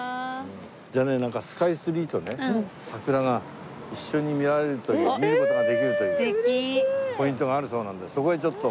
じゃあねなんかスカイツリーとね桜が一緒に見られるという見る事ができるというポイントがあるそうなんでそこへちょっと。